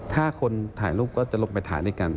ถ้าคนถ่ายรูปก็จะลงไปถ่ายด้วยกัน